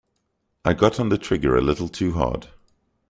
I got on the trigger a little too hard.